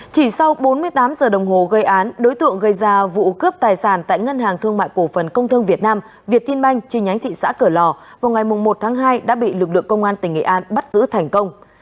chỉ sau bốn mươi tám giờ đồng hồ gây án đối tượng gây ra vụ cướp tài sản tại ngân hàng thương mại cổ phần công thương việt nam việt tin banh trên nhánh thị xã cửa lò vào ngày một tháng hai đã bị lực lượng công an tỉnh nghệ an bắt giữ thành công